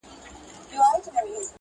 چې پرهرونه ئې زمونږه په سينو ساتلي